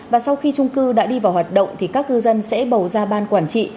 và sau khi trung cư đã đi vào hoạt động thì các cư dân sẽ bầu ra ban quản trị